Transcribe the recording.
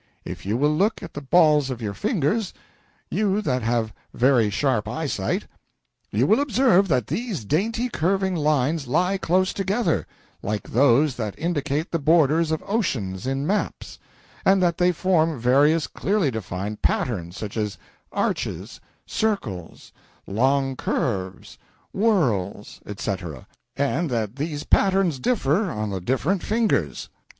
If you will look at the balls of your fingers, you that have very sharp eyesight, you will observe that these dainty curving lines lie close together, like those that indicate the borders of oceans in maps, and that they form various clearly defined patterns, such as arches, circles, long curves, whorls, etc., and that these patterns differ on the different fingers.